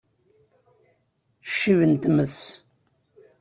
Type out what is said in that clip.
Ccib n tmes!